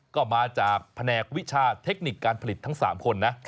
ก็มาจากแผนกวิชาเทคนิคการผลิตทั้ง๓คนนะ